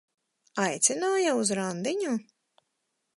Aicināja uz randiņu?